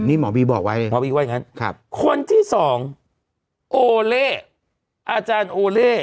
นี่หมอบีบอกไว้เลยหมอบีว่าอย่างนั้นคนที่สองโอเล่อาจารย์โอเล่